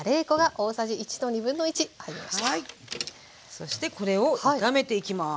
そしてこれを炒めていきます。